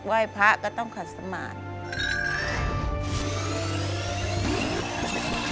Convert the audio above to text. ไหว้พระก็ต้องขัดสมาธิ